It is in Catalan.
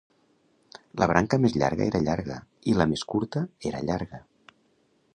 La branca més llarga era llarga, i la més curta era llarga.